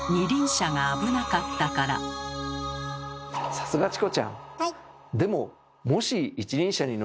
さすがチコちゃん！